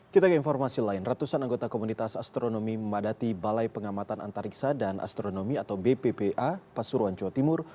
kita ke informasi lain ratusan anggota komunitas astronomi memadati balai pengamatan antariksa dan astronomi atau bppa pasuruan jawa timur